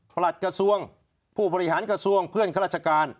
หลัดกระทรวงผู้บริหารกระทรวงเพื่อนข้าราชการ